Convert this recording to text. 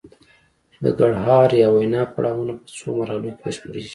د ګړهار یا وینا پړاوونه په څو مرحلو کې بشپړیږي